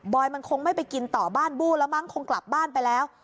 มันคงไม่ไปกินต่อบ้านบู้แล้วมั้งคงกลับบ้านไปแล้ว